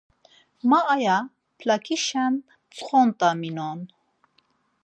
Ma aya p̌lakişen ptsxontaminon.